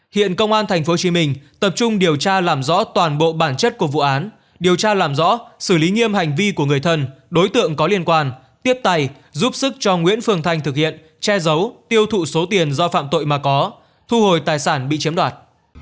hiện công an tp hcm tập trung điều tra làm rõ toàn bộ bản chất của vụ án điều tra làm rõ xử lý nghiêm hành vi của người thân đối tượng có liên quan tiếp tay giúp sức cho nguyễn phương thanh thực hiện che giấu tiêu thụ số tiền do phạm tội mà có thu hồi tài sản bị chiếm đoạt